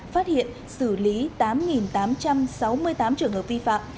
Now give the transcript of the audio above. phát hiện xử lý tám tám trăm sáu mươi tám trường hợp vi phạm